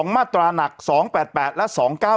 มาตราหนัก๒๘๘และ๒๙๙